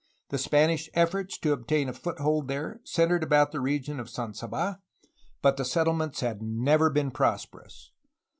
The Spanish efforts to ob tain a foothold there centred about the region of San Saba, but the settlements had never been prosperous.